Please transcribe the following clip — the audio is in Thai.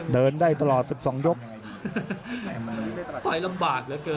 เดินได้ตลอด๑๒ยกต่อยลำบากเหลือเกิน